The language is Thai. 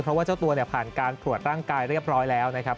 เพราะว่าเจ้าตัวเนี่ยผ่านการตรวจร่างกายเรียบร้อยแล้วนะครับ